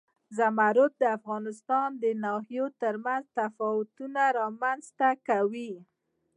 زمرد د افغانستان د ناحیو ترمنځ تفاوتونه رامنځ ته کوي.